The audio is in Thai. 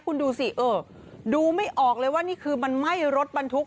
คุณดูสิเออดูไม่ออกเลยว่านี่คือมันไหม้รถบรรทุก